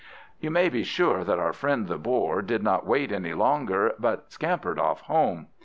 You may be sure that our friend the Boar did not wait any longer, but scampered off home.